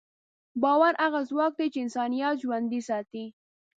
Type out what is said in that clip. باور هغه ځواک دی چې انسانیت ژوندی ساتي.